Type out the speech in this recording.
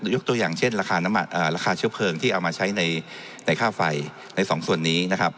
ยกตัวอย่างเช่นราคาเชี่ยวเพลิงที่เอามาใช้ในค่าไฟในสองส่วนนี้นะครับ